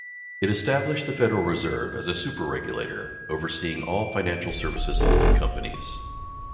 It established the Federal Reserve as a superregulator, overseeing all Financial Services Holding Companies.